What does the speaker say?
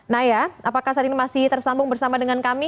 naya apakah saat ini masih tersambung bersama dengan kami